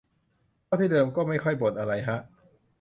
เท่าเดิมคงไม่ค่อยบ่นอะไรฮะ